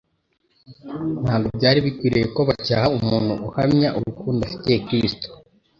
Ntabwo byari bikwiriye ko bacyaha umuntu uhamya urukundo afitiye Kristo.